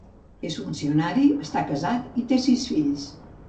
És funcionari, està casat i té sis fills.